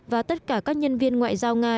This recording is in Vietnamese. và tất cả các nhân viên ngoại giao nga